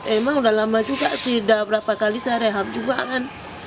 emang udah lama juga tidak berapa kali saya rehab juga kan